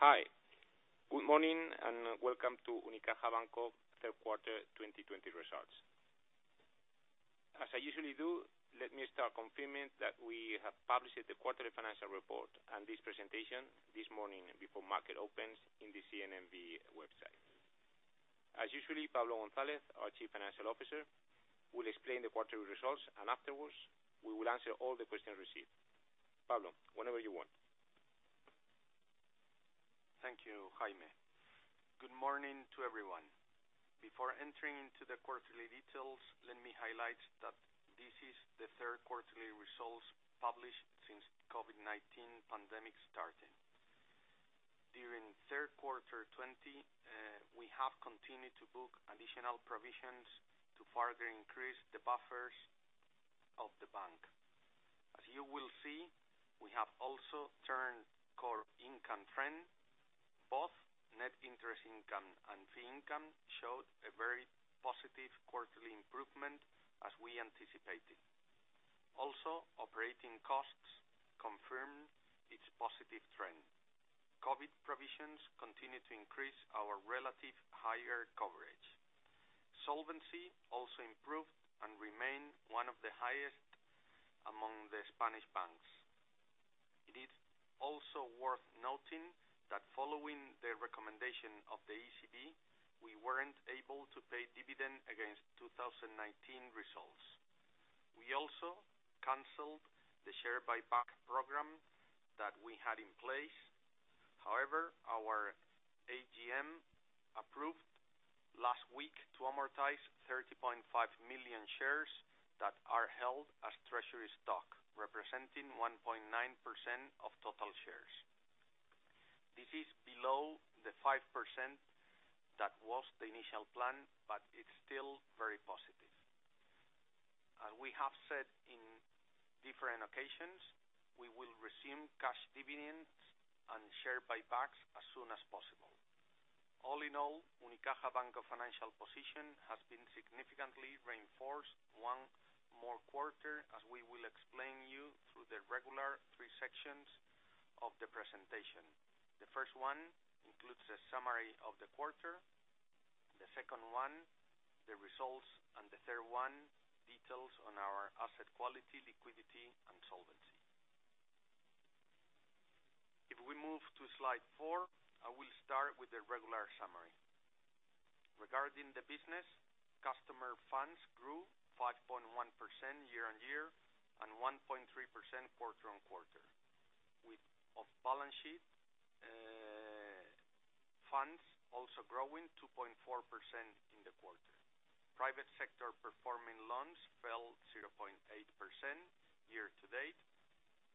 Hi. Good morning, and welcome to Unicaja Banco third quarter 2020 results. As I usually do, let me start confirming that we have published the quarterly financial report and this presentation this morning before market opens in the CNMV website. As usual, Pablo González, our Chief Financial Officer, will explain the quarterly results, and afterwards, we will answer all the questions received. Pablo, whenever you want. Thank you, Jaime. Good morning to everyone. Before entering into the quarterly details, let me highlight that this is the third quarterly results published since COVID-19 pandemic starting. During Q3 2020, we have continued to book additional provisions to further increase the buffers of the bank. As you will see, we have also turned core income trend. Both net interest income and fee income showed a very positive quarterly improvement as we anticipated. Also, operating costs confirm its positive trend. COVID provisions continue to increase our relative higher coverage. Solvency also improved and remain one of the highest among the Spanish banks. It is also worth noting that following the recommendation of the ECB, we weren't able to pay dividend against 2019 results. We also canceled the share buyback program that we had in place. Our AGM approved last week to amortize 30.5 million shares that are held as treasury stock, representing 1.9% of total shares. This is below the 5% that was the initial plan, but it's still very positive. As we have said in different occasions, we will resume cash dividends and share buybacks as soon as possible. All in all, Unicaja Banco financial position has been significantly reinforced one more quarter, as we will explain you through the regular three sections of the presentation. The first one includes a summary of the quarter, the second one, the results, and the third one, details on our asset quality, liquidity, and solvency. If we move to slide four, I will start with a regular summary. Regarding the business, customer funds grew 5.1% year-on-year and 1.3% quarter-on-quarter. With off-balance sheet funds also growing 2.4% in the quarter. Private sector performing loans fell 0.8% year-to-date.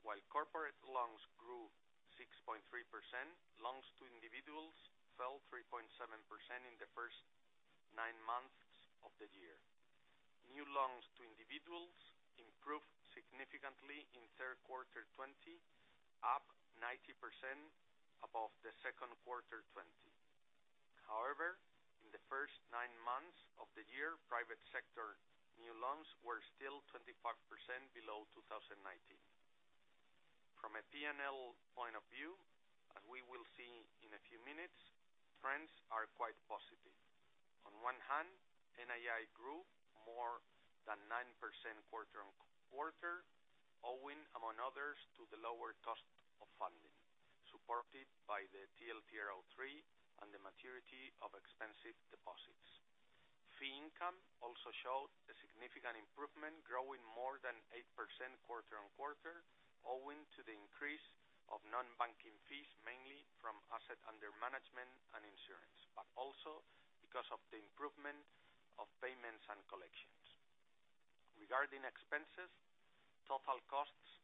While corporate loans grew 6.3%, loans to individuals fell 3.7% in the first nine months of the year. New loans to individuals improved significantly in Q3 2020, up 90% above the Q2 2020. However, in the first nine months of the year, private sector new loans were still 25% below 2019. From a P&L point of view, as we will see in a few minutes, trends are quite positive. On one hand, NII grew more than 9% quarter-on-quarter, owing, among others, to the lower cost of funding, supported by the TLTRO3 and the maturity of expensive deposits. Fee income also showed a significant improvement, growing more than 8% quarter-on-quarter, owing to the increase of non-banking fees, mainly from asset under management and insurance. Also because of the improvement of payments and collections. Regarding expenses, total costs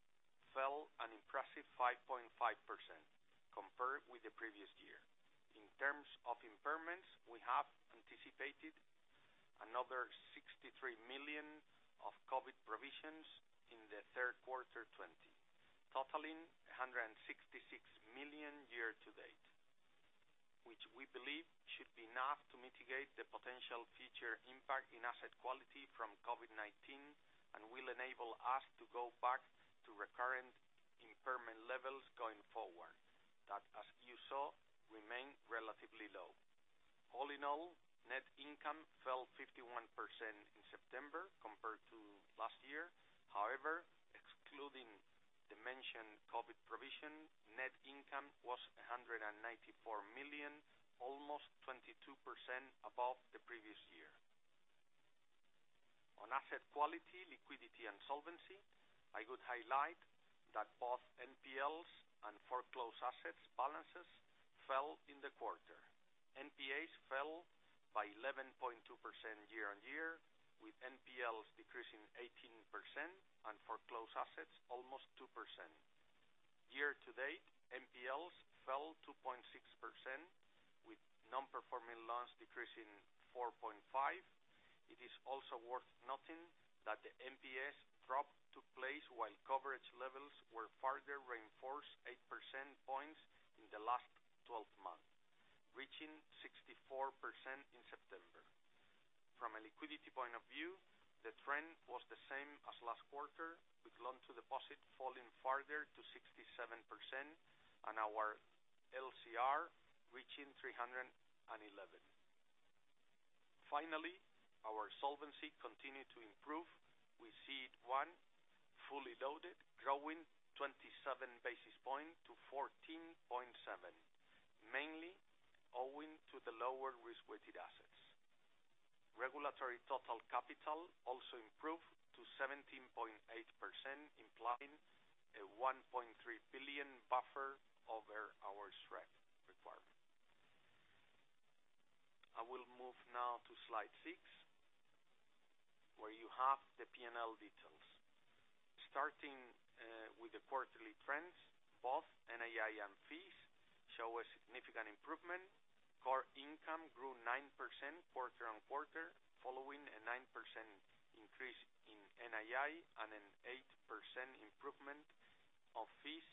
fell an impressive 5.5% compared with the previous year. In terms of impairments, we have anticipated another 63 million of COVID provisions in the Q3 2020, totaling 166 million year-to-date. Which we believe should be enough to mitigate the potential future impact in asset quality from COVID-19 and will enable us to go back to recurrent impairment levels going forward, that, as you saw, remain relatively low. All in all, net income fell 51% in September compared to last year. However, excluding the mentioned COVID provision, net income was 194 million, almost 22% above the previous year. On asset quality, liquidity, and solvency, I would highlight that both NPLs and foreclosed assets balances fell in the quarter. NPAs fell by 11.2% year-on-year, with NPLs decreasing 18%, and foreclosed assets almost 2%. Year-to-date, NPLs fell 2.6%, with non-performing loans decreasing 4.5%. It is also worth noting that the NPAs drop took place while coverage levels were further reinforced 8% points in the last 12 months. 4% in September. From a liquidity point of view, the trend was the same as last quarter, with loan to deposit falling farther to 67% and our LCR reaching 311. Finally, our solvency continued to improve. We see it, one, fully loaded, growing 27 basis points to 14.7%, mainly owing to the lower risk-weighted assets. Regulatory total capital also improved to 17.8%, implying a 1.3 billion buffer over our SREP requirement. I will move now to slide six, where you have the P&L details. Starting with the quarterly trends, both NII and fees show a significant improvement. Core income grew 9% quarter-on-quarter, following a 9% increase in NII and an 8% improvement of fees,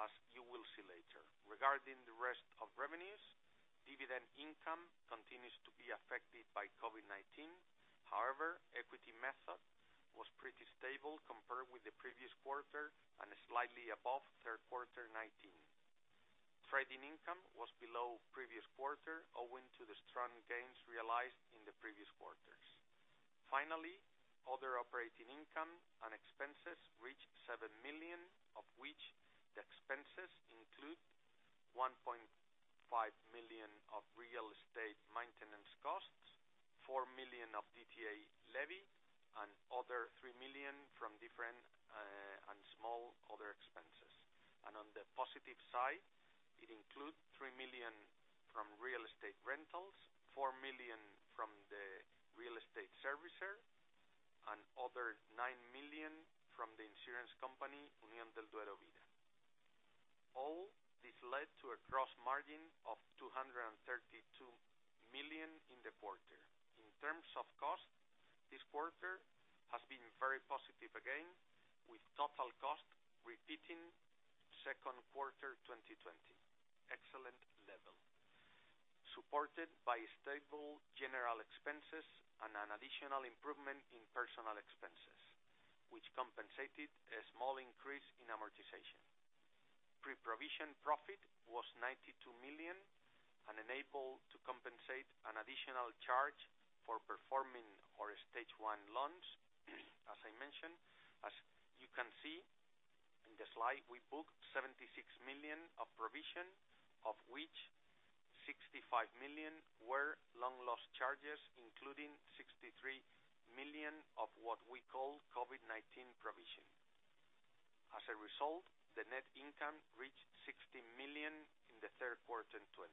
as you will see later. Regarding the rest of revenues, dividend income continues to be affected by COVID-19. However, equity method was pretty stable compared with the previous quarter and slightly above third quarter 2019. Trading income was below previous quarter, owing to the strong gains realized in the previous quarters. Finally, other operating income and expenses reached 7 million, of which the expenses include 1.5 million of real estate maintenance costs, 4 million of DTA levy, and other 3 million from different and small other expenses. On the positive side, it includes 3 million from real estate rentals, 4 million from the real estate servicer, and other 9 million from the insurance company, Unión del Duero Vida. All this led to a gross margin of 232 million in the quarter. In terms of cost, this quarter has been very positive again, with total cost repeating second quarter 2020. Excellent level. Supported by stable general expenses and an additional improvement in personal expenses, which compensated a small increase in amortization. Pre-provision profit was 92 million and enabled to compensate an additional charge for performing our Stage 1 loans. As I mentioned, as you can see in the slide, we booked 76 million of provision, of which 65 million were loan loss charges, including 63 million of what we call COVID-19 provision. As a result, the net income reached 16 million in the third quarter 2020.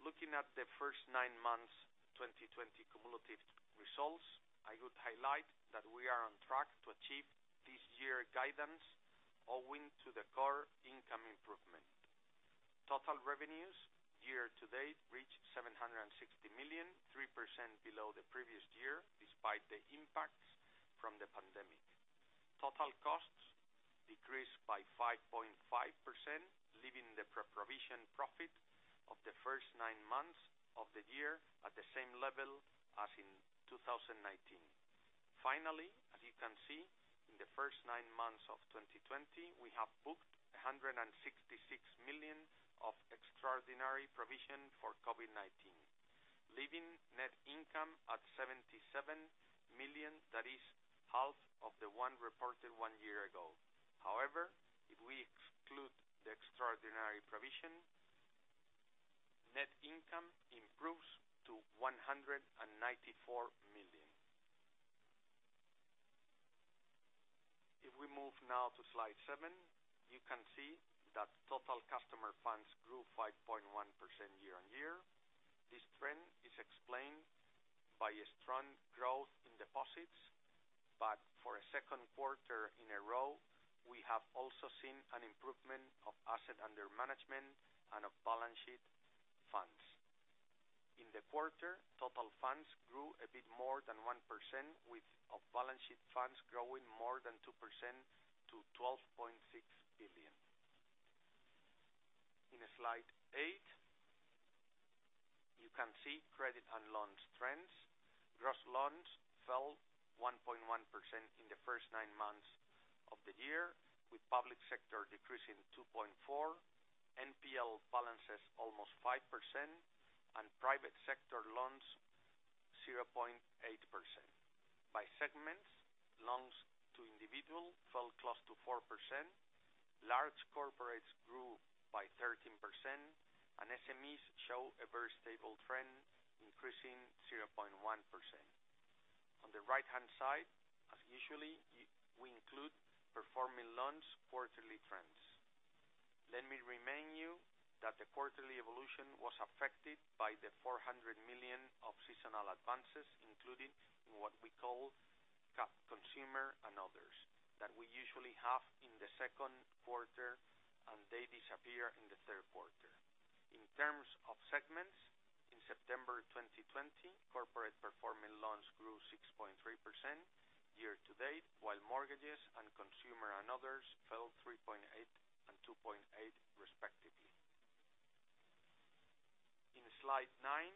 Looking at the first nine months 2020 cumulative results, I would highlight that we are on track to achieve this year guidance owing to the core income improvement. Total revenues year to date reached 760 million, 3% below the previous year despite the impacts from the pandemic. Total costs decreased by 5.5%, leaving the pre-provision profit of the first nine months of the year at the same level as in 2019. As you can see, in the first nine months of 2020, we have booked 166 million of extraordinary provision for COVID-19, leaving net income at 77 million. That is half of the one reported one year ago. If we exclude the extraordinary provision, net income improves to 194 million. If we move now to slide seven, you can see that total customer funds grew 5.1% year-on-year. This trend is explained by a strong growth in deposits. For a second quarter in a row, we have also seen an improvement of asset under management and off-balance-sheet funds. In the quarter, total funds grew a bit more than 1%, with off-balance-sheet funds growing more than 2% to 12.6 billion. In slide eight, you can see credit and loans trends. Gross loans fell 1.1% in the first nine months of the year, with public sector decreasing 2.4%, NPL balances almost 5%, and private sector loans 0.8%. By segments, loans to individual fell close to 4%, large corporates grew by 13%, and SMEs show a very stable trend, increasing 0.1%. On the right-hand side, as usually, we include performing loans quarterly trends. Let me remind you that the quarterly evolution was affected by the 400 million of seasonal advances included in what we call cap consumer and others, that we usually have in the second quarter, and they disappear in the third quarter. In terms of segments, in September 2020, corporate performing loans grew 6.3% year-to-date, while mortgages and consumer and others fell 3.8% and 2.8% respectively. In slide nine,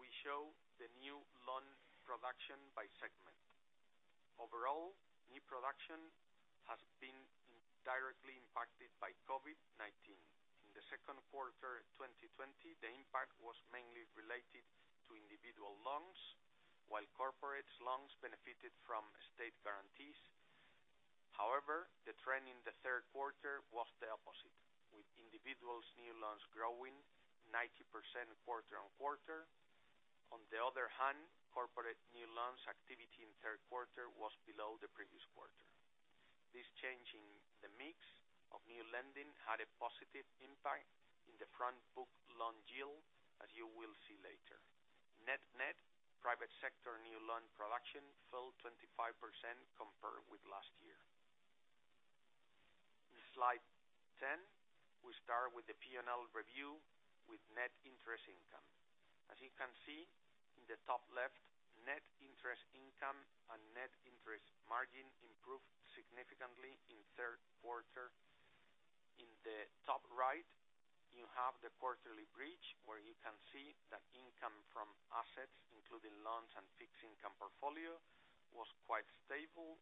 we show the new loan production by segment. Overall, new production has been directly impacted by COVID-19. In the second quarter of 2020, the impact was mainly related to individual loans, while corporate loans benefited from state guarantees. However, the trend in the third quarter was the opposite, with individuals' new loans growing 90% quarter-on-quarter. On the other hand, corporate new loans activity in the third quarter was below the previous quarter. This change in the mix of new lending had a positive impact on the front book loan yield, as you will see later. Net-net, private sector new loan production fell 25% compared with last year. In slide 10, we start with the P&L review with net interest income. As you can see in the top left, net interest income and net interest margin improved significantly in the third quarter. In the top right, you have the quarterly bridge, where you can see that income from assets, including loans and fixed income portfolio, was quite stable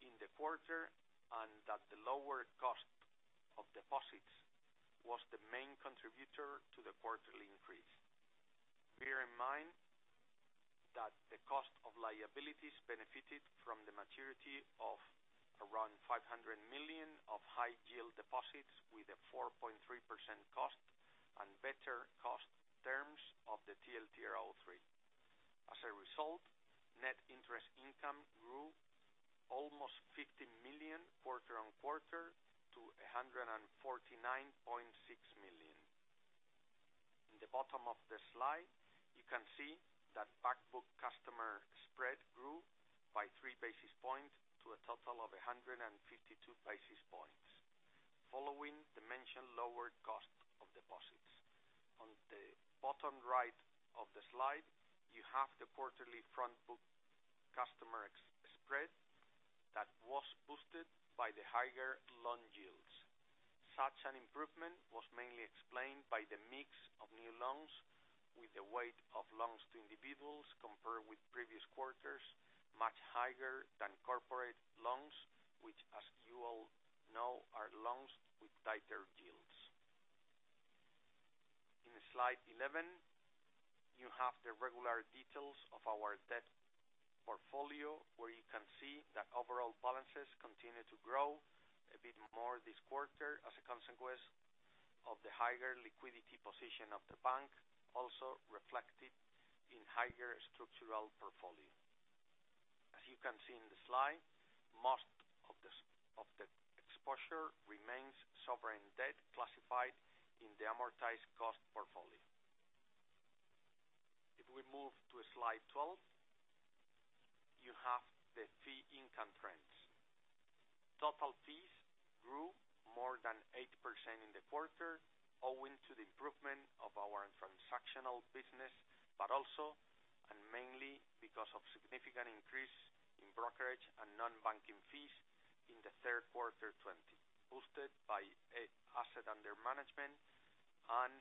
in the quarter, and that the lower cost of deposits was the main contributor to the quarterly increase. Bear in mind that the cost of liabilities benefited from the maturity of around 500 million of high yield deposits with a 4.3% cost and better cost terms of the TLTRO3. As a result, net interest income grew almost 50 million quarter-on-quarter to 149.6 million. In the bottom of the slide, you can see that back book customer spread grew by three basis points to a total of 152 basis points, following the mentioned lower cost of deposits. On the bottom right of the slide, you have the quarterly front book customer spread that was boosted by the higher loan yields. Such an improvement was mainly explained by the mix of new loans with the weight of loans to individuals compared with previous quarters, much higher than corporate loans, which, as you all know, are loans with tighter yields. In slide 11, you have the regular details of our debt portfolio, where you can see that overall balances continued to grow a bit more this quarter as a consequence of the higher liquidity position of the bank, also reflected in higher structural portfolio. As you can see in the slide, most of the exposure remains sovereign debt classified in the amortized cost portfolio. If we move to slide 12, you have the fee income trends. Total fees grew more than 8% in the quarter owing to the improvement of our transactional business, also, mainly, because of significant increase in brokerage and non-banking fees in the third quarter of 2020, boosted by asset under management and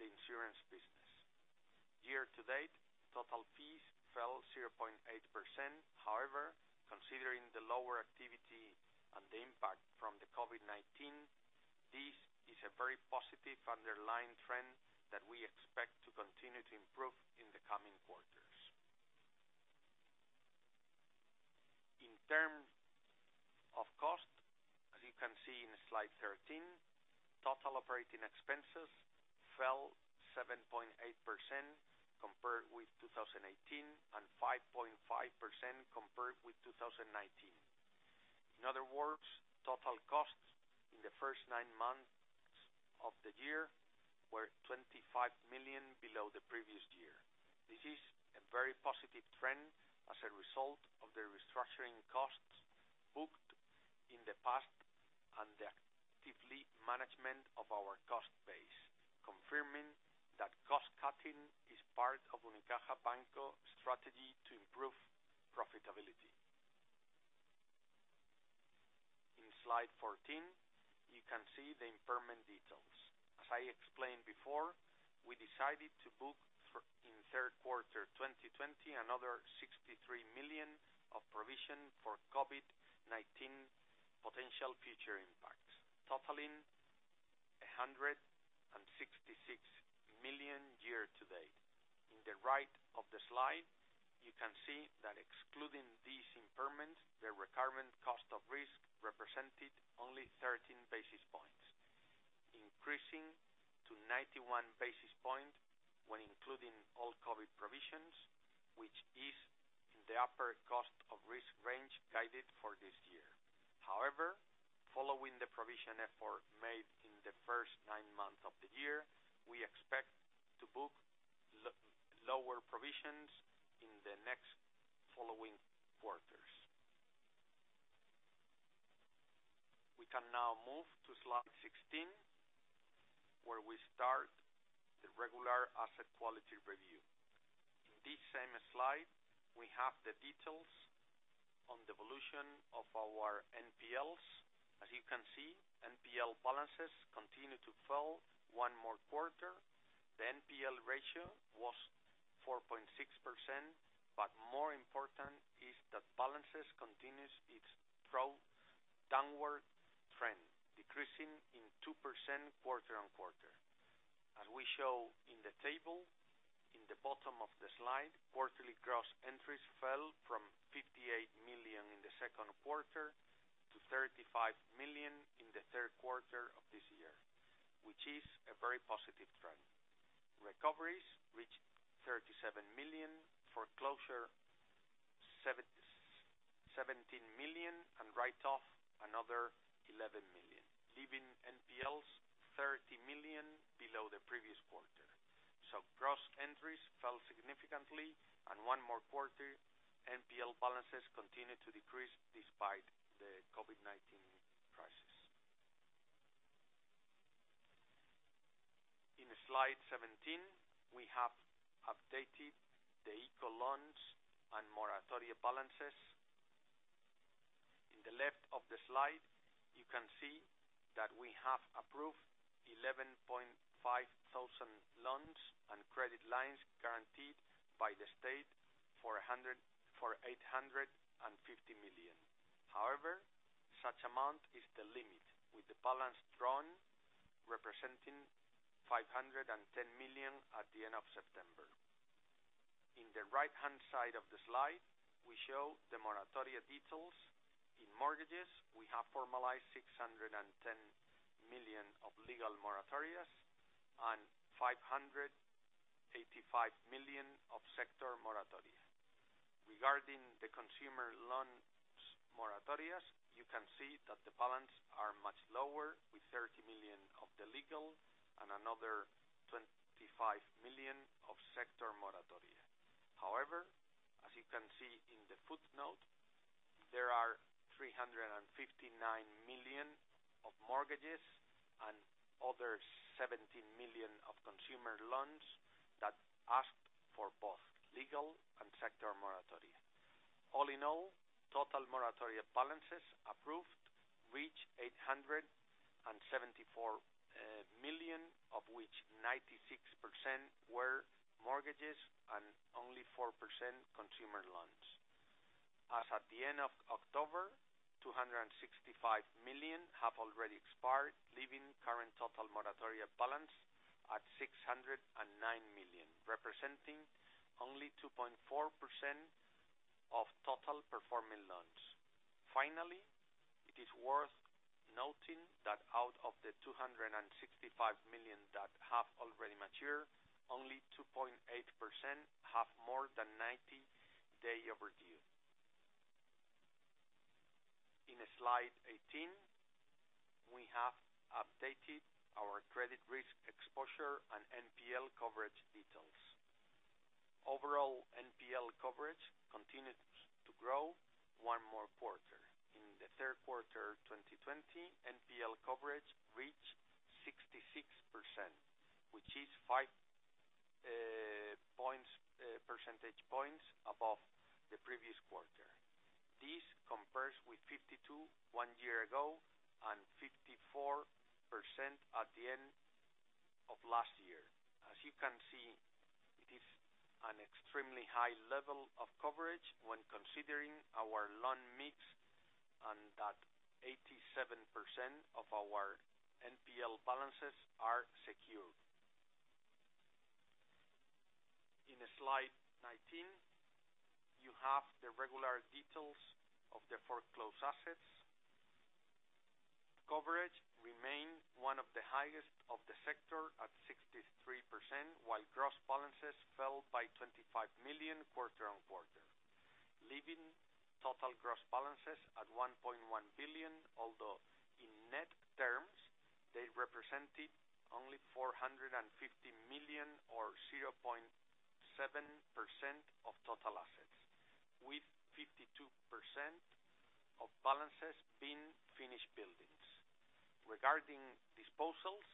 the insurance business. Year-to-date, total fees fell 0.8%. However, considering the lower activity and the impact from the COVID-19, this is a very positive underlying trend that we expect to continue to improve in the coming quarters. In terms of cost, as you can see in slide 13, total operating expenses fell 7.8% compared with 2018 and 5.5% compared with 2019. In other words, total costs in the first nine months of the year were 25 million below the previous year. This is a very positive trend as a result of the restructuring costs booked in the past and the active management of our cost base, confirming that cost-cutting is part of Unicaja Banco's strategy to improve profitability. In slide 14, you can see the impairment details. As I explained before, we decided to book in the third quarter of 2020 another 63 million of provision for COVID-19 potential future impacts, totaling 166 million year-to-date. In the right of the slide, you can see that excluding these impairments, the recurrent cost of risk represented only 13 basis points, increasing to 91 basis points when including all COVID provisions, which is in the upper cost of risk range guided for this year. Following the provision effort made in the first nine months of the year, we expect to book lower provisions in the next following quarters. We can now move to slide 16, where we start the regular asset quality review. In this same slide, we have the details on the evolution of our NPLs. As you can see, NPL balances continue to fall one more quarter. The NPL ratio was 4.6%, but more important is that balances continues its pro-downward trend, decreasing in 2% quarter-on-quarter. As we show in the table in the bottom of the slide, quarterly gross entries fell from 58 million in the second quarter to 35 million in the third quarter of this year, which is a very positive trend. Recoveries reached 37 million, foreclosure 17 million, and write-off another 11 million, leaving NPLs 30 million below the previous quarter. Gross entries fell significantly and one more quarter, NPL balances continued to decrease despite the COVID-19 crisis. In slide 17, we have updated the ICO loans and moratoria balances. In the left of the slide, you can see that we have approved 11,500 loans and credit lines guaranteed by the state for 850 million. However, such amount is the limit, with the balance drawn representing 510 million at the end of September. In the right-hand side of the slide, we show the moratoria details. In mortgages, we have formalized 610 million of legal moratorias and 585 million of sector moratoria. Regarding the consumer loans moratorias, you can see that the balance are much lower, with 30 million of the legal and another 25 million of sector moratoria. However, as you can see in the footnote, there are 359 million of mortgages and other 17 million of consumer loans that asked for both legal and sector moratoria. All in all, total moratoria balances approved reached 874 million, of which 96% were mortgages and only 4% consumer loans. As at the end of October, 265 million have already expired, leaving current total moratoria balance at 609 million, representing only 2.4% of total performing loans. Finally, it is worth noting that out of the 265 million that have already matured, only 2.8% have more than 90-day overdue. In slide 18, we have updated our credit risk exposure and NPL coverage details. Overall, NPL coverage continued to grow one more quarter. In the third quarter 2020, NPL coverage reached 66%, which is five percentage points above the previous quarter. This compares with 52% one year ago and 54% at the end of last year. As you can see, it is an extremely high level of coverage when considering our loan mix and that 87% of our NPL balances are secured. In slide 19, you have the regular details of the foreclosed assets. Coverage remained one of the highest of the sector at 63%, while gross balances fell by 25 million quarter-on-quarter, leaving total gross balances at 1.1 billion, although in net terms, they represented only 450 million or 0.7% of total assets, with 52% of balances being finished buildings. Regarding disposals,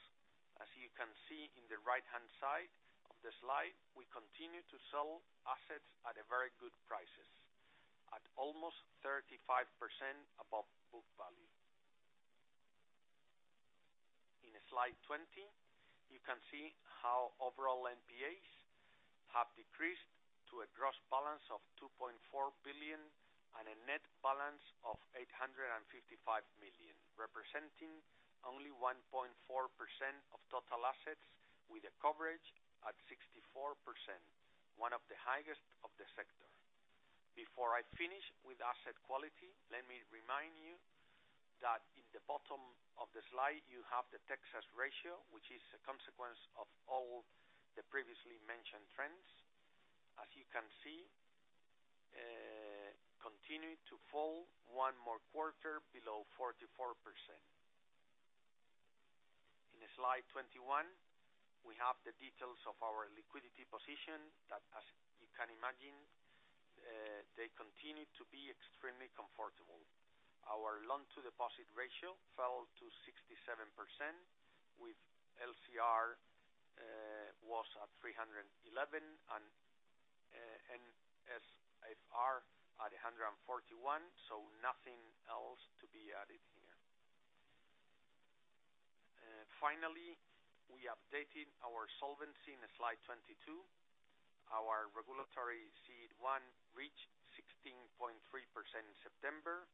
as you can see in the right-hand side of the slide, we continue to sell assets at a very good prices, at almost 35% above book value. In slide 20, you can see how overall NPAs have decreased to a gross balance of 2.4 billion and a net balance of 855 million, representing only 1.4% of total assets with a coverage at 64%, one of the highest of the sector. Before I finish with asset quality, let me remind you that in the bottom of the slide, you have the Texas Ratio, which is a consequence of all the previously mentioned trends. As you can see, continued to fall one more quarter below 44%. Slide 21. We have the details of our liquidity position that, as you can imagine, they continue to be extremely comfortable. Our loan-to-deposit ratio fell to 67%, with LCR was at 311 and NSFR at 141. Nothing else to be added here. Finally, we updated our solvency in slide 22. Our regulatory CET1 reached 16.3% in September,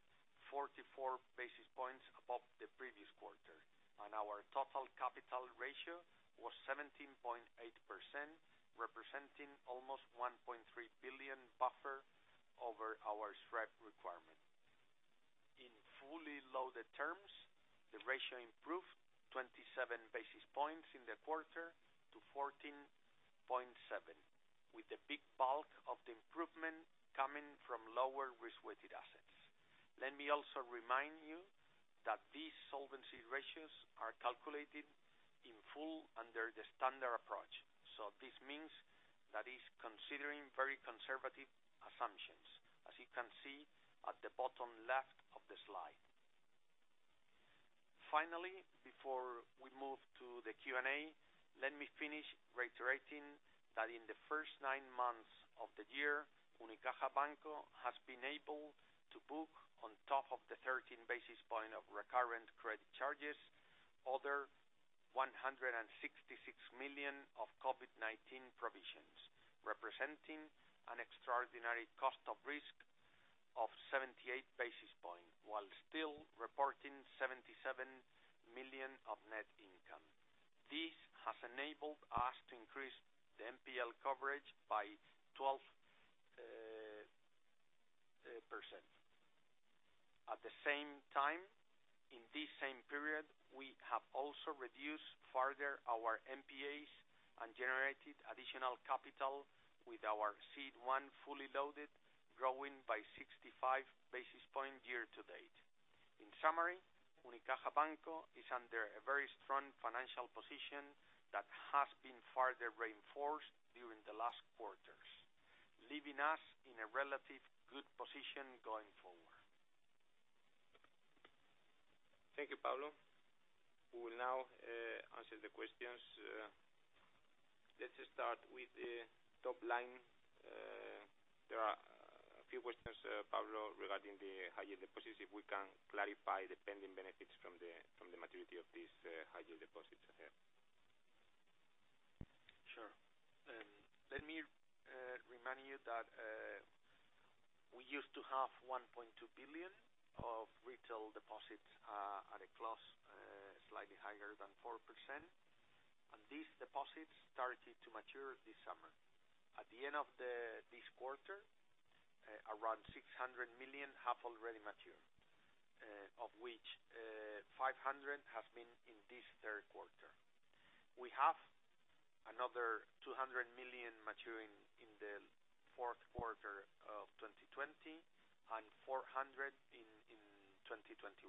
44 basis points above the previous quarter, and our total capital ratio was 17.8%, representing almost 1.3 billion buffer over our SREP requirement. In fully loaded terms, the ratio improved 27 basis points in the quarter to 14.7%, with the big bulk of the improvement coming from lower risk-weighted assets. Let me also remind you that these solvency ratios are calculated in full under the standard approach. This means that is considering very conservative assumptions, as you can see at the bottom left of the slide. Finally, before we move to the Q&A, let me finish reiterating that in the first nine months of the year, Unicaja Banco has been able to book on top of the 13 basis point of recurrent credit charges, other 166 million of COVID-19 provisions, representing an extraordinary cost of risk of 78 basis points, while still reporting 77 million of net income. This has enabled us to increase the NPL coverage by 12%. At the same time, in this same period, we have also reduced further our NPAs and generated additional capital with our CET1 fully loaded, growing by 65 basis points year-to-date. In summary, Unicaja Banco is under a very strong financial position that has been further reinforced during the last quarters, leaving us in a relative good position going forward. Thank you, Pablo. We will now answer the questions. Let's start with the top line. There are a few questions, Pablo, regarding the high-yield deposits, if we can clarify the pending benefits from the maturity of these high-yield deposits ahead. Sure. Let me remind you that we used to have 1.2 billion of retail deposits at a close, slightly higher than 4%, and these deposits started to mature this summer. At the end of this quarter, around 600 million have already matured, of which 500 million have been in this third quarter. We have another 200 million maturing in the fourth quarter of 2020 and 400 million in 2021. 200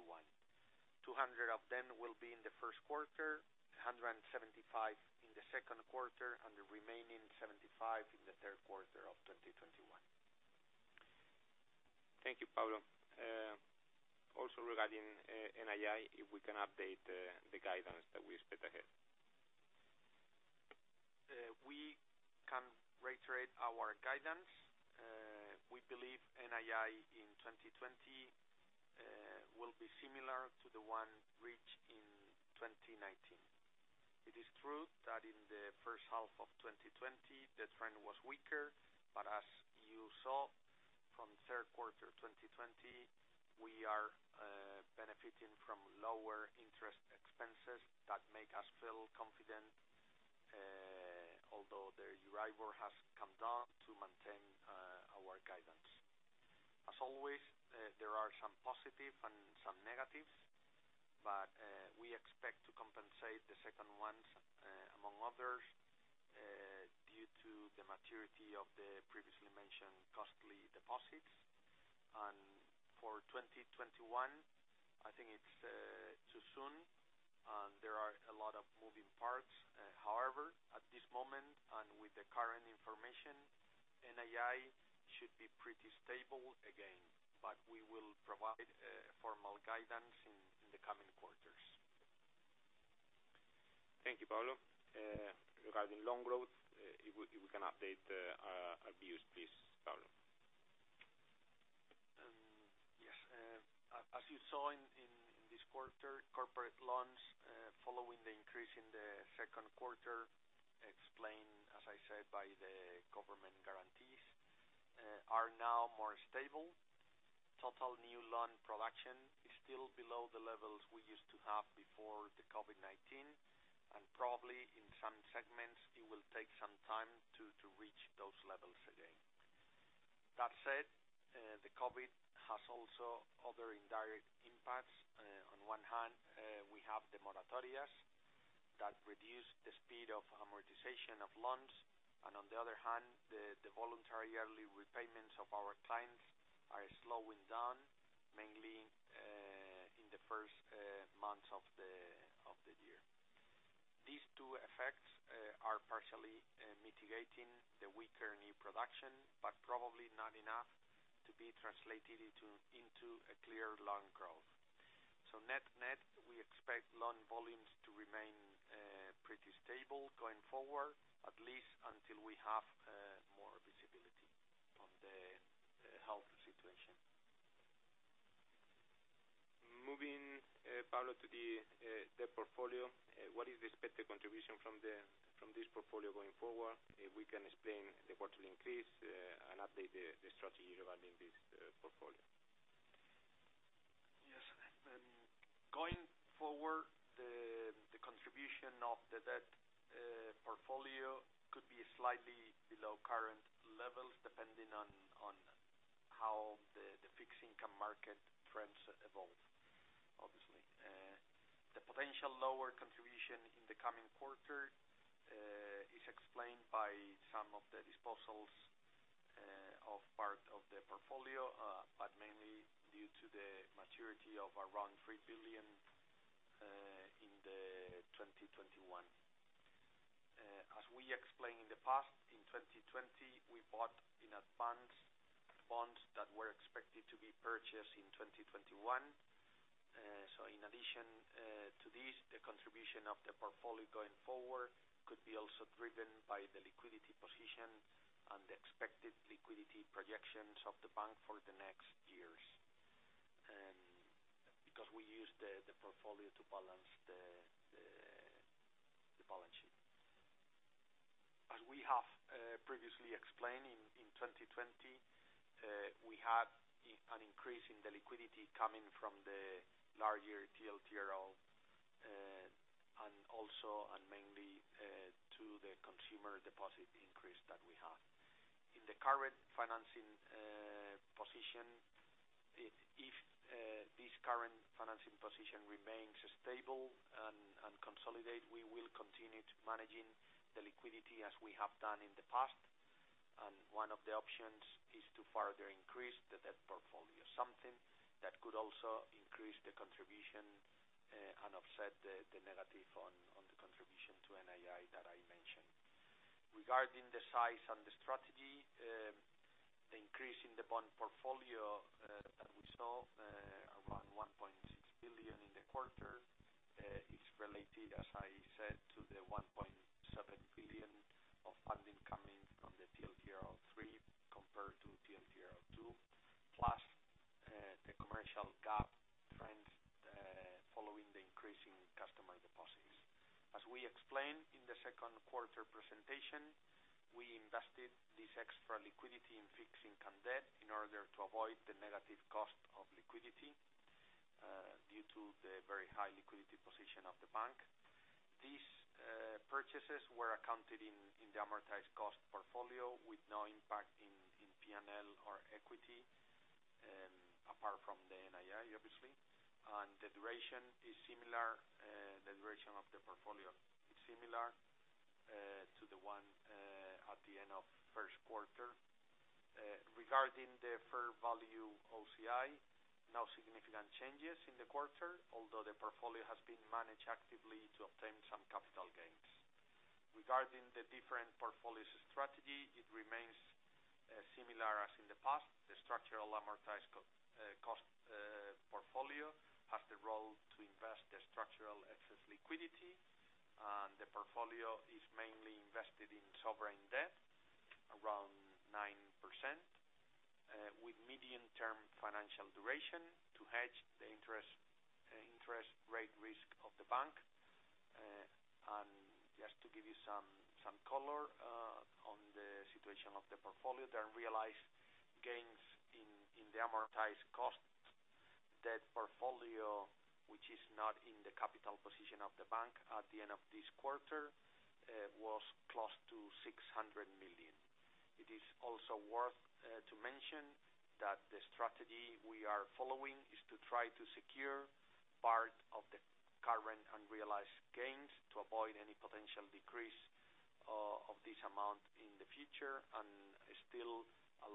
million of them will be in the first quarter, 175 million in the second quarter, and the remaining 75 million in the third quarter of 2021. Thank you, Pablo. Also regarding NII, if we can update the guidance that we expect ahead. We can reiterate our guidance. We believe NII in 2020 will be similar to the one reached in 2019. It is true that in the first half of 2020, the trend was weaker, but as you saw from Q3 2020, we are benefiting from lower interest expenses that make us feel confident, although the EURIBOR has come down to maintain our guidance. As always, there are some positive and some negatives, but we expect to compensate the second ones, among others, due to the maturity of the previously mentioned costly deposits. For 2021, I think it's too soon, and there are a lot of moving parts. However, at this moment, and with the current information, NII should be pretty stable again, but we will provide formal guidance in the coming quarters. Thank you, Pablo. Regarding loan growth, if we can update our views, please, Pablo. Yes. As you saw in this quarter, corporate loans, following the increase in the second quarter, explained, as I said, by the government guarantees, are now more stable. Total new loan production is still below the levels we used to have before the COVID-19, and probably in some segments, it will take some time to reach those levels again. That said, the COVID has also other indirect impacts. On one hand, we have the moratorias that reduce the speed of amortization of loans, and on the other hand, the voluntary yearly repayments of our clients are slowing down, mainly in the first months of the year. These two effects are partially mitigating the weaker new production, but probably not enough to be translated into a clear loan growth. Net-net, we expect loan volumes to remain pretty stable going forward, at least until we have more visibility on the health situation. Moving, Pablo, to the debt portfolio, what is the expected contribution from this portfolio going forward? If we can explain the quarterly increase, and update the strategy regarding this portfolio. Yes. Going forward, the contribution of the debt portfolio could be slightly below current levels, depending on how the fixed income market trends evolve, obviously. The potential lower contribution in the coming quarter is explained by some of the disposals of part of the portfolio, but mainly due to the maturity of around 3 billion in 2021. As we explained in the past, in 2020, we bought in advance bonds that were expected to be purchased in 2021. In addition to this, the contribution of the portfolio going forward could be also driven by the liquidity position and the expected liquidity projections of the bank for the next years, because we use the portfolio to balance the balance sheet. As we have previously explained, in 2020, we had an increase in the liquidity coming from the larger TLTRO, and also, and mainly, to the consumer deposit increase that we have. If this current financing position remains stable and consolidate, we will continue to managing the liquidity as we have done in the past, and one of the options is to further increase the debt portfolio. Something that could also increase the contribution and offset the negative on the contribution to NII that I mentioned. Regarding the size and the strategy, the increase in the bond portfolio that we saw, around 1.6 billion in the quarter, is related, as I said, to the 1.7 billion of funding coming from the TLTRO3 compared to TLTRO2, plus the commercial gap trends following the increase in customer deposits. As we explained in the second quarter presentation, we invested this extra liquidity in fixed income debt in order to avoid the negative cost of liquidity due to the very high liquidity position of the bank. These purchases were accounted in the amortized cost portfolio with no impact in P&L or equity, apart from the NII, obviously. The duration of the portfolio is similar to the one at the end of first quarter. Regarding the fair value OCI, no significant changes in the quarter, although the portfolio has been managed actively to obtain some capital gains. Regarding the different portfolios strategy, it remains similar as in the past. The structural amortized cost portfolio has the role to invest the structural excess liquidity, and the portfolio is mainly invested in sovereign debt, around 9%, with medium-term financial duration to hedge the interest rate risk of the bank. Just to give you some color on the situation of the portfolio, the unrealized gains in the amortized cost, that portfolio, which is not in the capital position of the bank at the end of this quarter, was close to 600 million. It is also worth to mention that the strategy we are following is to try to secure part of the current unrealized gains to avoid any potential decrease of this amount in the future, and still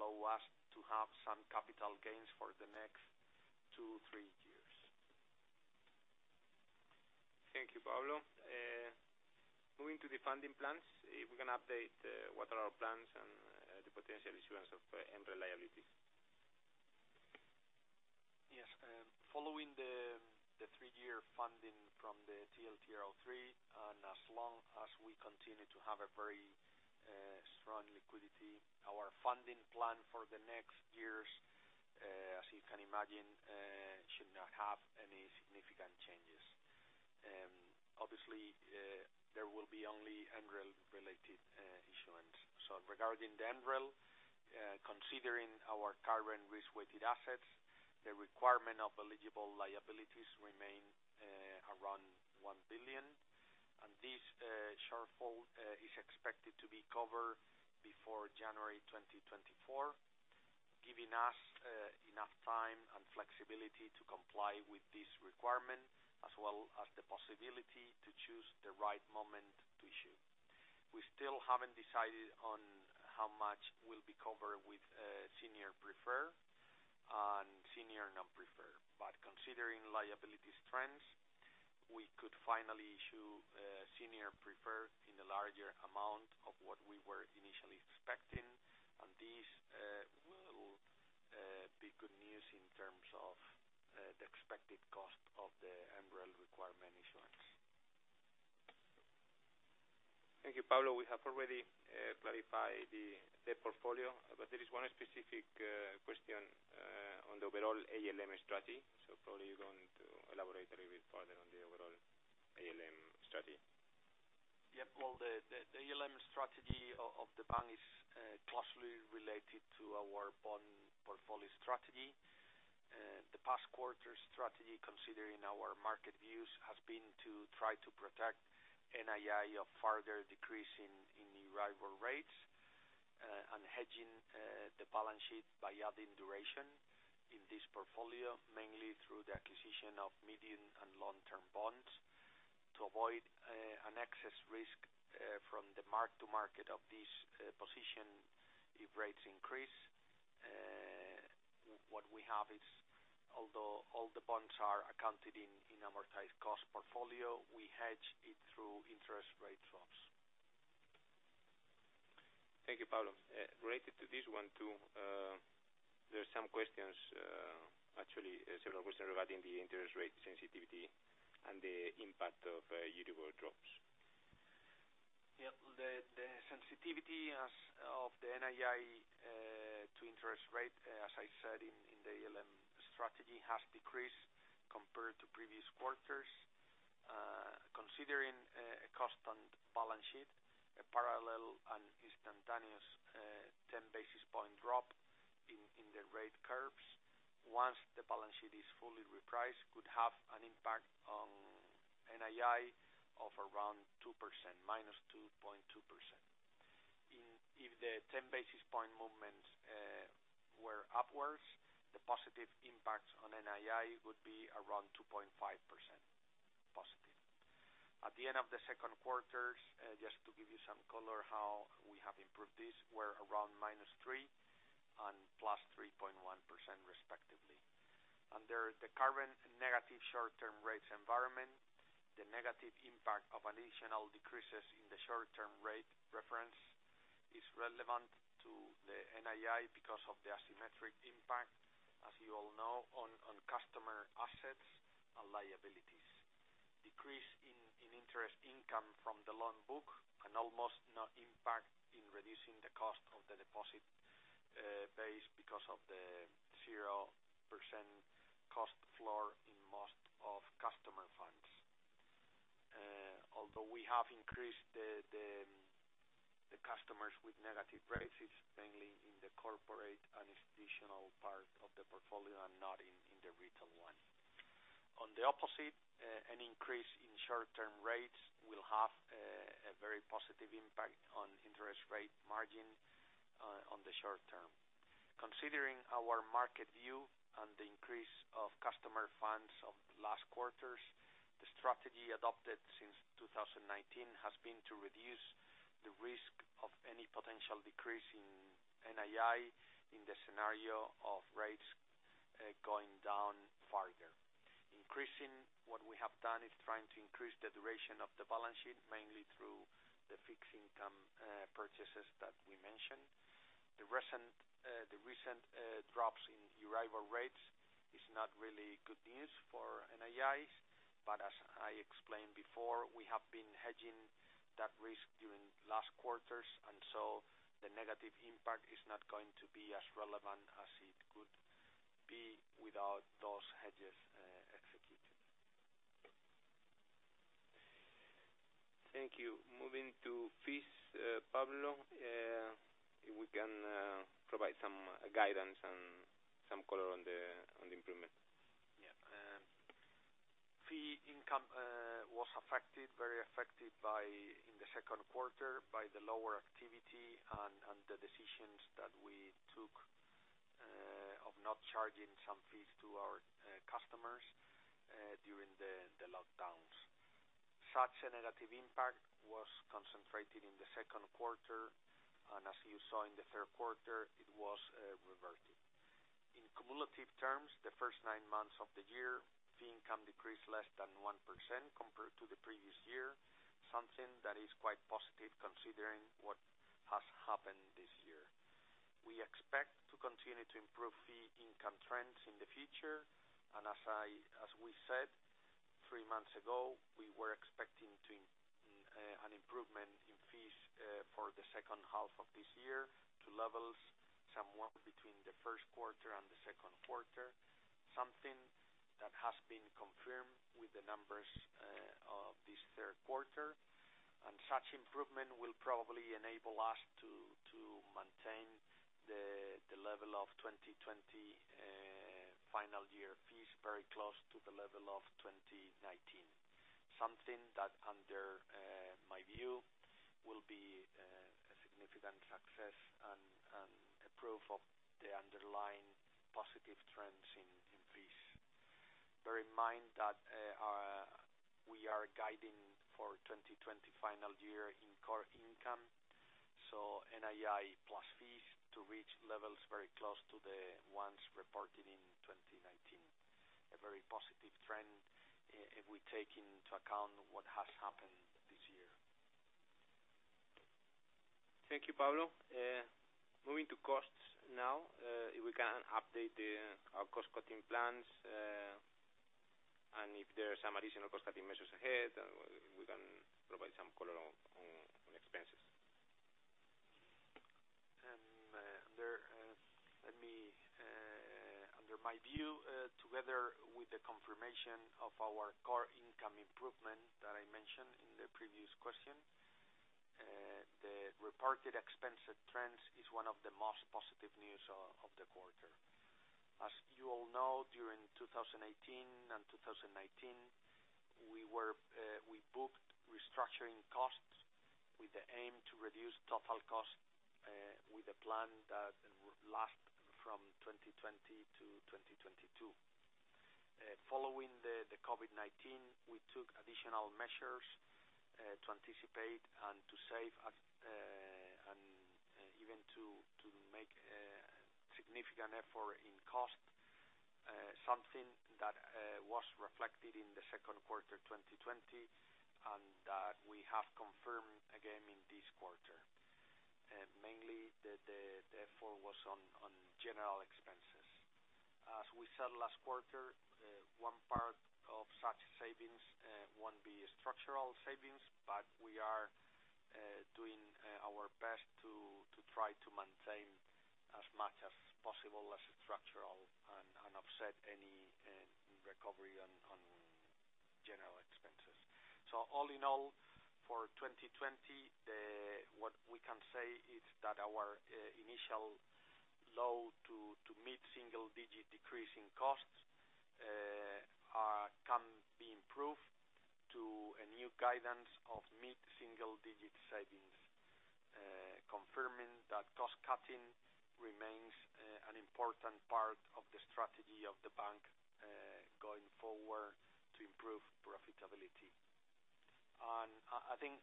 allow us to have some capital gains for the next two, three years. Thank you, Pablo. Moving to the funding plans, if we can update what are our plans and the potential issuance of MREL liabilities. Yes. Following the three-year funding from the TLTRO3, as long as we continue to have a very strong liquidity, our funding plan for the next years, as you can imagine, should not have any significant changes. Obviously, there will be only MREL-related issuance. Regarding the MREL, considering our current risk-weighted assets, the requirement of eligible liabilities remain around 1 billion, this share is expected to be covered before January 2024, giving us enough time and flexibility to comply with this requirement, as well as the possibility to choose the right moment to issue. We still haven't decided on how much will be covered with senior preferred and senior non-preferred. Considering liabilities trends, we could finally issue senior preferred in the larger amount of what we were initially expecting, this will be good news in terms of the expected cost of the MREL requirement issuance. Thank you, Pablo. We have already clarified the debt portfolio, but there is one specific question on the overall ALM strategy. Probably you're going to elaborate a little bit further on the overall ALM strategy. Well, the ALM strategy of the bank is closely related to our bond portfolio strategy. The past quarter strategy, considering our market views, has been to try to protect NII of further decrease in EURIBOR rates, and hedging the balance sheet by adding duration in this portfolio, mainly through the acquisition of medium and long-term bonds to avoid an excess risk from the mark to market of this position if rates increase. What we have is, although all the bonds are accounted in amortized cost portfolio, we hedge it through interest rate swaps. Thank you, Pablo. Related to this one too, there are some questions, actually several questions regarding the interest rate sensitivity and the impact of EURIBOR drops. Yeah. The sensitivity of the NII to interest rate, as I said in the ALM strategy, has decreased compared to previous quarters. Considering a constant balance sheet, a parallel and instantaneous 10 basis point drop in the rate curves, once the balance sheet is fully repriced, could have an impact on NII of around 2%, -2.2%. If the 10 basis point movements were upwards, the positive impact on NII would be around +2.5%. At the end of the second quarter, just to give you some color how we have improved this, were around -3% and +3.1%, respectively. Under the current negative short-term rates environment, the negative impact of additional decreases in the short-term rate reference is relevant to the NII because of the asymmetric impact, as you all know, on customer assets and liabilities. Decrease in interest income from the loan book can almost not impact in reducing the cost of the deposit base because of the 0% cost floor in most of customer funds. Although we have increased the customers with negative rates, it's mainly in the corporate and institutional part of the portfolio and not in the retail one. On the opposite, an increase in short-term rates will have a very positive impact on interest rate margin on the short term. Considering our market view and the increase of customer funds of the last quarters, the strategy adopted since 2019 has been to reduce the risk of any potential decrease in NII in the scenario of rates going down further. What we have done is trying to increase the duration of the balance sheet, mainly through the fixed income purchases that we mentioned. The recent drops in EURIBOR rates is not really good news for NIIs, but as I explained before, we have been hedging that risk during last quarters, and so the negative impact is not going to be as relevant as it could be without those hedges executed. Thank you. Moving to fees, Pablo, if we can provide some guidance and some color on the improvement. Yeah. Fee income was very affected in the second quarter by the lower activity and the decisions that we took of not charging some fees to our customers during the lockdowns. Such a negative impact was concentrated in the second quarter, and as you saw in the third quarter, it was reverted. In cumulative terms, the first nine months of the year, fee income decreased less than 1% compared to the previous year, something that is quite positive considering what has happened this year. We expect to continue to improve fee income trends in the future. As we said three months ago, we were expecting an improvement in fees for the second half of this year to levels somewhat between the first quarter and the second quarter, something that has been confirmed with the numbers of this third quarter. Such improvement will probably enable us to maintain the level of 2020 final year fees very close to the level of 2019. Something that, under my view, will be a significant success and a proof of the underlying positive trends in fees. Bear in mind that we are guiding for 2020 final year in core income, so NII plus fees to reach levels very close to the ones reported in 2019. A very positive trend if we take into account what has happened this year. Thank you, Pablo. Moving to costs now, if we can update our cost-cutting plans, and if there are some additional cost-cutting measures ahead, we can provide some color on expenses. Under my view, together with the confirmation of our core income improvement that I mentioned in the previous question, the reported expense trends is one of the most positive news of the quarter. As you all know, during 2018 and 2019, we booked restructuring costs with the aim to reduce total cost, with a plan that would last from 2020 to 2022. Following the COVID-19, we took additional measures to anticipate and to save, and even to make a significant effort in cost. Something that was reflected in the second quarter 2020, and that we have confirmed again in this quarter. Mainly, the effort was on general expenses. As we said last quarter, one part of such savings won't be structural savings, but we are doing our best to try to maintain as much as possible as structural and offset any recovery on general expenses. All in all, for 2020, what we can say is that our initial low-to-mid single-digit decrease in costs can be improved to a new guidance of mid-single digit savings, confirming that cost-cutting remains an important part of the strategy of the bank, going forward, to improve profitability. I think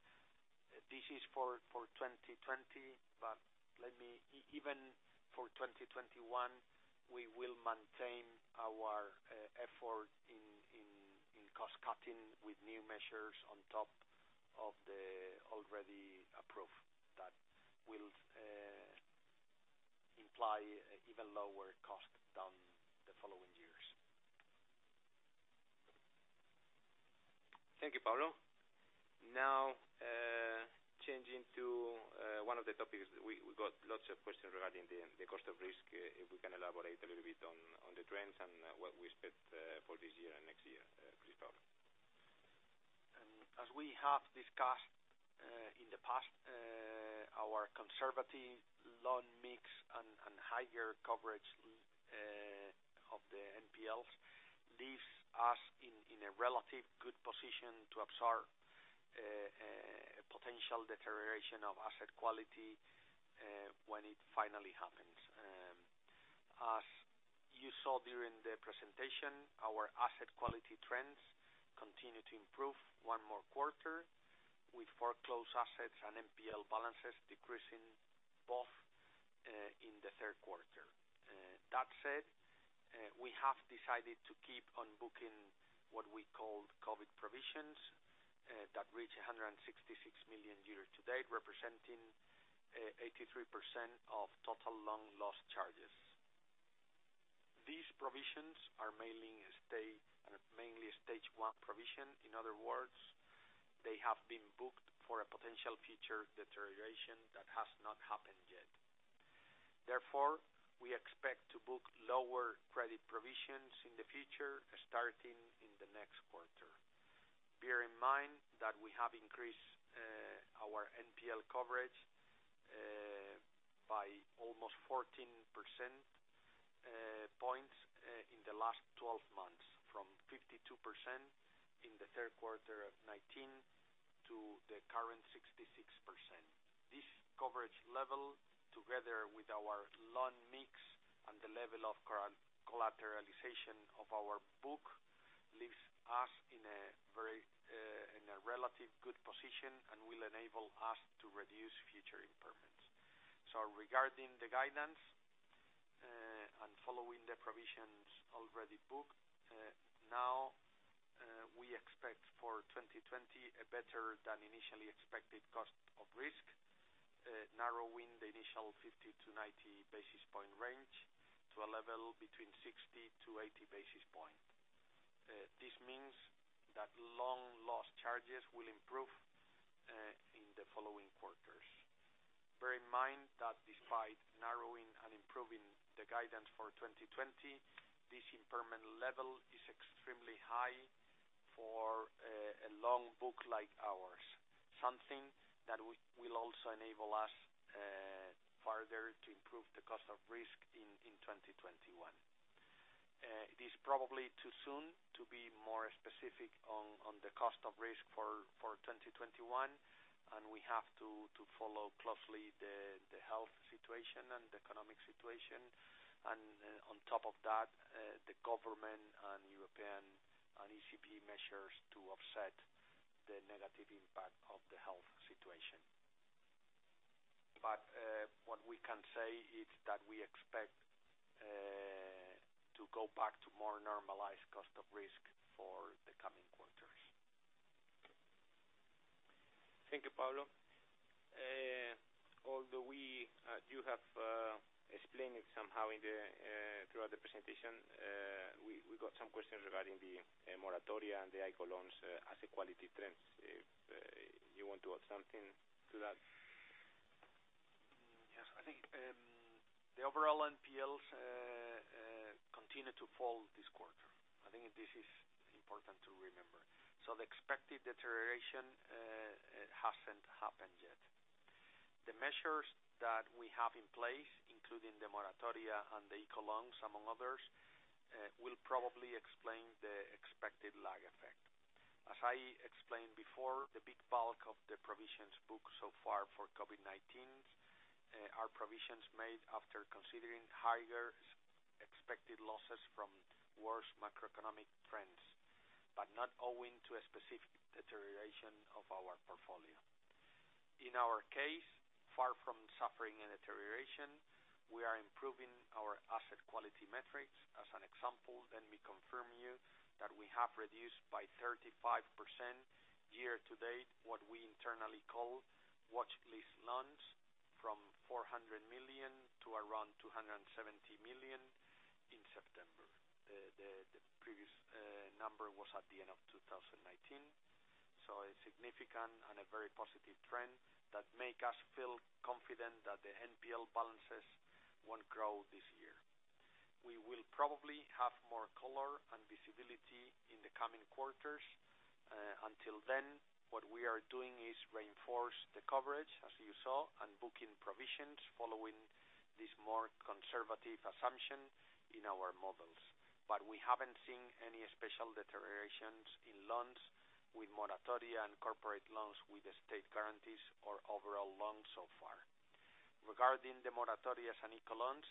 this is for 2020, but even for 2021, we will maintain our effort in cost-cutting with new measures on top of the already approved. That will imply even lower cost than the following years. Thank you, Pablo. Changing to one of the topics. We got lots of questions regarding the cost of risk. If we can elaborate a little bit on the trends and what we expect for this year and next year, please, Pablo. As we have discussed in the past, our conservative loan mix and higher coverage of the NPLs leaves us in a relative good position to absorb potential deterioration of asset quality, when it finally happens. As you saw during the presentation, our asset quality trends continue to improve one more quarter, with foreclosed assets and NPL balances decreasing both in the third quarter. That said, we have decided to keep on booking what we call COVID provisions, that reach 166 million euros to date, representing 83% of total loan loss charges. These provisions are mainly Stage 1 provision. In other words, they have been booked for a potential future deterioration that has not happened yet. Therefore, we expect to book lower credit provisions in the future, starting in the next quarter. Bear in mind that we have increased our NPL coverage by almost 14% points in the last 12 months, from 52% in the third quarter of 2019 to the current 66%. This coverage level, together with our loan mix and the level of collateralization of our book, leaves us in a relative good position and will enable us to reduce future impairments. Regarding the guidance, and following the provisions already booked, now we expect for 2020 a better than initially expected cost of risk, narrowing the initial 50-90 basis point range to a level between 60-80 basis point. This means that loan loss charges will improve in the following quarters. Bear in mind that despite Improving the guidance for 2020. This impairment level is extremely high for a long book like ours, something that will also enable us further to improve the cost of risk in 2021. It is probably too soon to be more specific on the cost of risk for 2021, and we have to follow closely the health situation and the economic situation. On top of that, the government and European and ECB measures to offset the negative impact of the health situation. What we can say is that we expect to go back to more normalized cost of risk for the coming quarters. Thank you, Pablo. Although you have explained it somehow throughout the presentation, we got some questions regarding the moratoria and the ICO loans as a quality trend. You want to add something to that? Yes. I think the overall NPLs continue to fall this quarter. I think this is important to remember. The expected deterioration hasn't happened yet. The measures that we have in place, including the moratoria and the ICO loans, among others, will probably explain the expected lag effect. As I explained before, the big bulk of the provisions book so far for COVID-19 are provisions made after considering higher expected losses from worse macroeconomic trends, but not owing to a specific deterioration of our portfolio. In our case, far from suffering a deterioration, we are improving our asset quality metrics. As an example, let me confirm you that we have reduced by 35% year-to-date, what we internally call watchlist loans, from 400 million to around 270 million in September. The previous number was at the end of 2019. A significant and a very positive trend that make us feel confident that the NPL balances won't grow this year. We will probably have more color and visibility in the coming quarters. Until then, what we are doing is reinforce the coverage, as you saw, and booking provisions following this more conservative assumption in our models. We haven't seen any special deteriorations in loans with moratoria and corporate loans with the state guarantees or overall loans so far. Regarding the moratorias and ICO loans,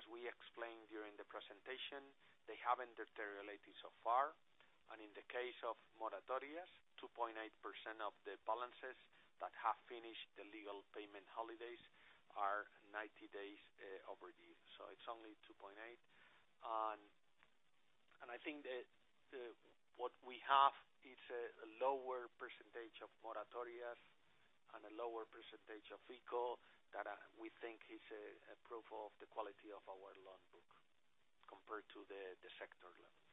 as we explained during the presentation, they haven't deteriorated so far. In the case of moratorias, 2.8% of the balances that have finished the legal payment holidays are 90 days overdue. It's only 2.8%. I think that what we have is a lower percentage of moratorias and a lower percentage of ICO that we think is a proof of the quality of our loan book compared to the sector loans.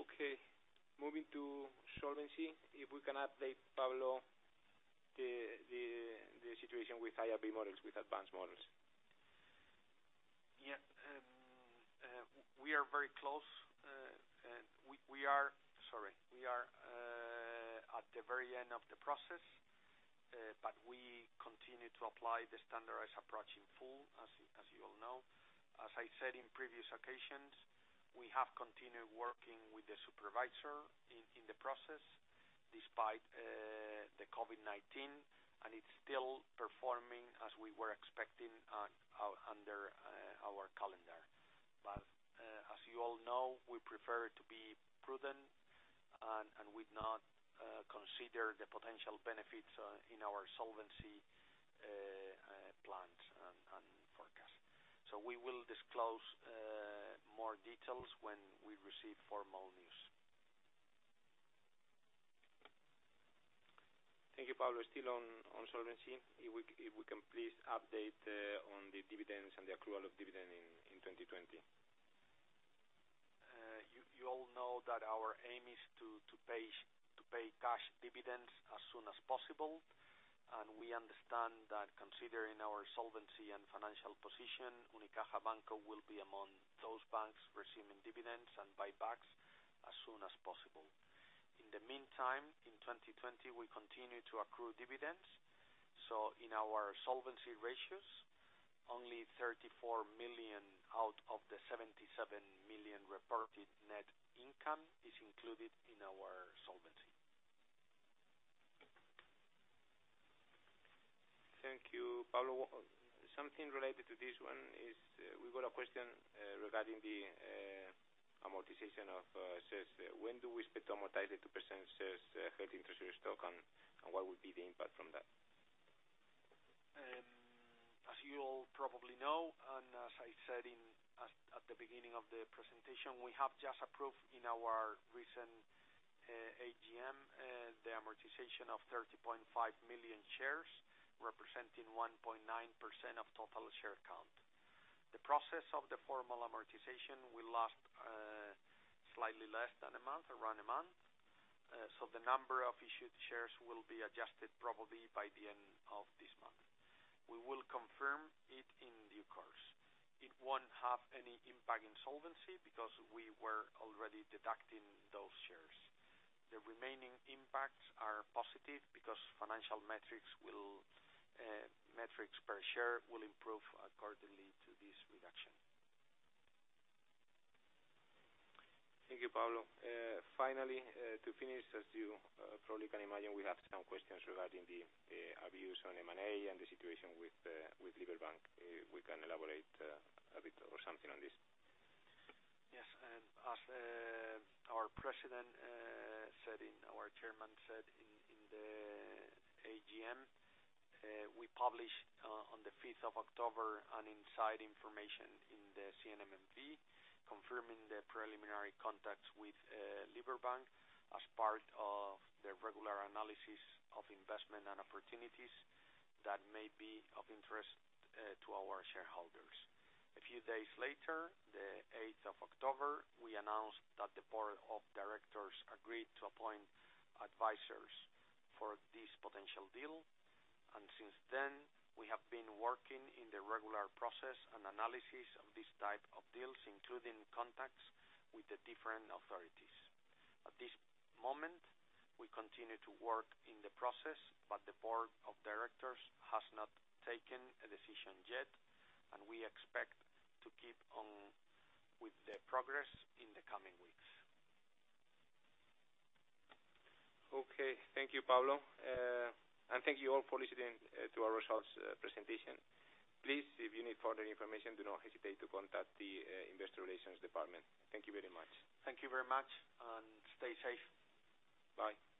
Okay. Moving to solvency. If we can update, Pablo, the situation with IRB models, with advanced models. Yeah. We are very close. Sorry. We are at the very end of the process. We continue to apply the standardized approach in full, as you all know. As I said in previous occasions, we have continued working with the supervisor in the process despite the COVID-19. It's still performing as we were expecting under our calendar. As you all know, we prefer to be prudent. We've not considered the potential benefits in our solvency plans and forecast. We will disclose more details when we receive formal news. Thank you, Pablo. Still on solvency. If we can please update on the dividends and the accrual of dividend in 2020? You all know that our aim is to pay cash dividends as soon as possible. We understand that considering our solvency and financial position, Unicaja Banco will be among those banks receiving dividends and buybacks as soon as possible. In the meantime, in 2020, we continue to accrue dividends. In our solvency ratios, only 34 million out of the 77 million reported net income is included in our solvency. Thank you, Pablo. Something related to this one is, we got a question regarding the amortization of shares. When do we expect to amortize the 2% shares held in treasury stock, and what will be the impact from that? As you all probably know, and as I said at the beginning of the presentation, we have just approved in our recent AGM, the amortization of 30.5 million shares, representing 1.9% of total share count. The process of the formal amortization will last slightly less than a month, around a month. The number of issued shares will be adjusted probably by the end of this month. We will confirm it in due course. It won't have any impact in solvency because we were already deducting those shares. The remaining impacts are positive because financial metrics per share will improve accordingly to this reduction. Thank you, Pablo. Finally, to finish, as you probably can imagine, we have some questions regarding our views on M&A and the situation with Liberbank. If we can elaborate a bit or something on this. Yes. As our chairman said in the AGM, we published on the 5th of October an inside information in the CNMV, confirming the preliminary contacts with Liberbank as part of the regular analysis of investment and opportunities that may be of interest to our shareholders. A few days later, the 8th of October, we announced that the board of directors agreed to appoint advisors for this potential deal. Since then, we have been working in the regular process and analysis of this type of deals, including contacts with the different authorities. At this moment, we continue to work in the process. The board of directors has not taken a decision yet. We expect to keep on with the progress in the coming weeks. Okay. Thank you, Pablo. Thank you all for listening to our results presentation. Please, if you need further information, do not hesitate to contact the investor relations department. Thank you very much. Thank you very much, and stay safe. Bye. Bye.